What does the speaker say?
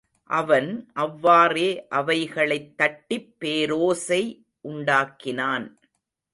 அவன் அவ்வாறே அவைகளைத் தட்டிப் பேரோசை உண்டாக்கினான்.